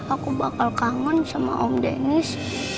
aku bakal kangen sama om deniz